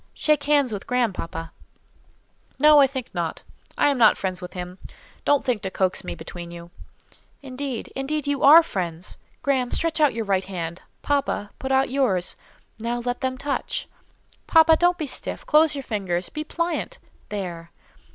Shake hands with Graham, papa." "No: I think not: I am not friends with him. Don't think to coax me between you." "Indeed, indeed, you are friends. Graham, stretch out your right hand. Papa, put out yours. Now, let them touch. Papa, don't be stiff; close your fingers; be pliant—there!